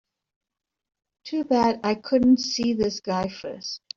Too bad I couldn't see this guy first.